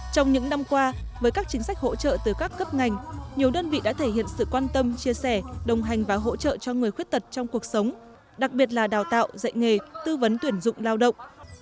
trong các ngành nhiều đơn vị đã thể hiện sự quan tâm chia sẻ đồng hành và hỗ trợ cho người khuyết tật trong cuộc sống đặc biệt là đào tạo dạy nghề tư vấn tuyển dụng lao động